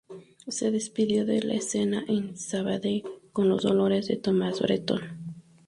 Se despidió de la escena en Sabadell con La Dolores, de Tomás Bretón.